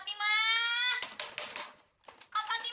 dan meninggalkan jaket ini